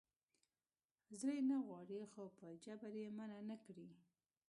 زړه یې نه غواړي خو په جبر یې منع نه کړي.